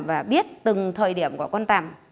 và biết từng thời điểm của con tầm